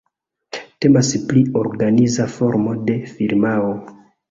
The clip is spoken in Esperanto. Temas pri organiza formo de firmao.